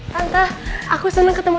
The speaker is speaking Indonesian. tante juga seneng banget ketemu kamu